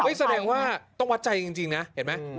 ไม่แสดงว่าต้องวัดใจจริงนะเห็นมั้ย